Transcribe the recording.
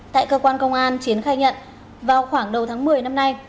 tại cơ quan công an chiến khai nhận vào khoảng đầu tháng một mươi năm nay